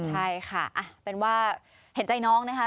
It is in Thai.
ใช่ค่ะเป็นว่าเห็นใจน้องนะคะ